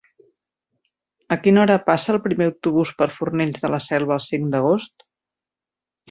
A quina hora passa el primer autobús per Fornells de la Selva el cinc d'agost?